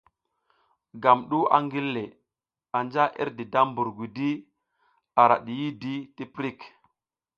Gam du a ngille, anja irdi da mbur gudi ara diyidi ti pirik.